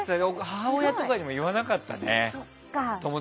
母親とかにも言わなかったね。